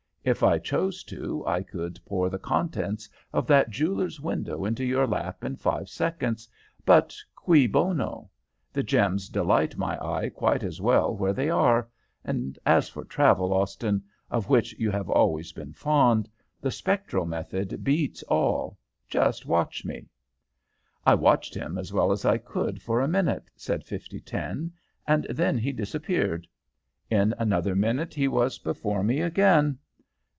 If I chose to I could pour the contents of that jeweller's window into your lap in five seconds, but cui bono? The gems delight my eye quite as well where they are; and as for travel, Austin, of which you have always been fond, the spectral method beats all. Just watch me!' "I watched him as well as I could for a minute," said 5010; "and then he disappeared. In another minute he was before me again.